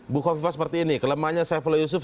bu khofifah seperti ini kelemahannya saifula yusuf